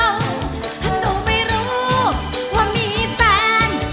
ถ้าหนูไม่รู้ว่ามีแฟน